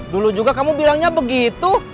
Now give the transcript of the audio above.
dulu juga kamu bilangnya begitu